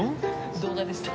動画でした。